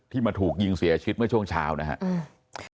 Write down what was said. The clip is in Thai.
มาถูกยิงเสียชีวิตเมื่อช่วงเช้านะครับ